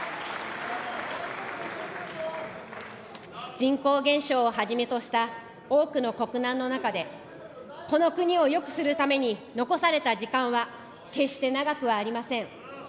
人口減少をはじめとした多くの国難の中で、この国をよくするために残された時間は決して長くはありません。